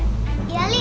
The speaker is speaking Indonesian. ngapain kalian disini